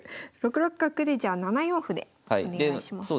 ６六角でじゃあ７四歩でお願いします。